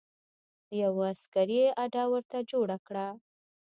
یوه عسکري اډه ورته جوړه کړه.